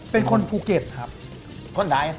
เป็นคนภูเก็ตครับ